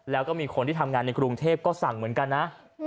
แล้วก็มีคนที่ทำงานในกรุงเทพก็สั่งเหมือนกันนะ